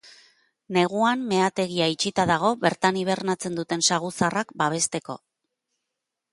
Neguan meategia itxita dago, bertan hibernatzen duten saguzarrak babesteko.